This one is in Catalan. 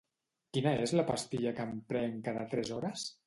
Quina és la pastilla que em prenc cada tres hores?